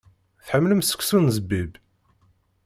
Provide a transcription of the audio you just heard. Tḥemmlem seksu s zzbib?